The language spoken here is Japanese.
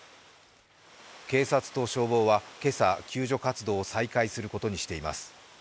警察と消防は今朝、救助活動を再開することにしています。